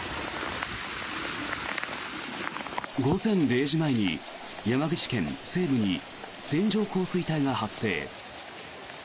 午前０時前に山口県西部に線状降水帯が発生。